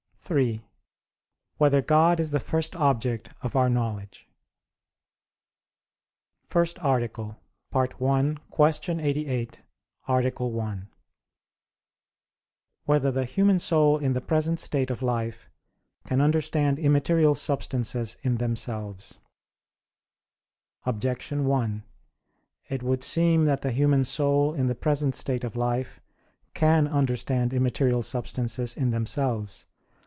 (3) Whether God is the first object of our knowledge? _______________________ FIRST ARTICLE [I, Q. 88, Art. 1] Whether the Human Soul in the Present State of Life Can Understand Immaterial Substances in Themselves? Objection 1: It would seem that the human soul in the present state of life can understand immaterial substances in themselves.